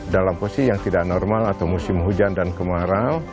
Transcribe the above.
dalam posisi yang tidak normal atau musim hujan dan kemarau